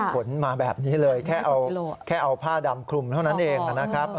ขนมาแบบนี้เลยแค่เอาผ้าดำคลุมเท่านั้นเองนะครับ